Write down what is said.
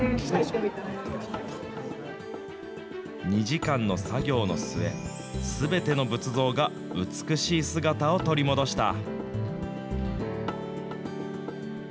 ２時間の作業の末、すべての仏像が美しい姿を取り戻した。